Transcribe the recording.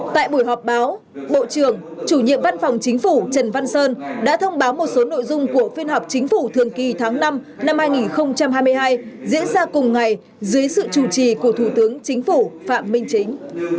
tại buổi họp báo bộ trưởng chủ nhiệm văn phòng chính phủ trần văn sơn đã thông báo một số nội dung của phiên họp chính phủ thường kỳ tháng năm năm hai nghìn hai mươi hai diễn ra cùng ngày dưới sự chủ trì của thủ tướng chính phủ phạm minh chính